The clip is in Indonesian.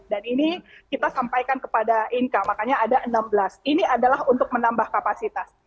dan ini kita sampaikan kepada inka makanya ada enam belas ini adalah untuk menambah kapasitas